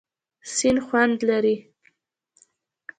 سیند خوند لري.